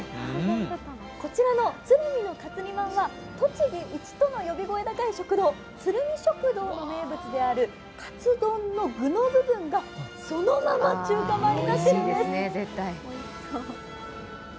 こちらのツルミのカツ煮まんは栃木一との呼び声高い食堂、ツルミ食堂の名物であるカツ丼の具の部分がそのまま中華まんになっているんです。